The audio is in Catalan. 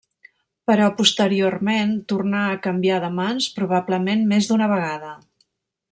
Però posteriorment tornà a canviar de mans probablement més d'una vegada.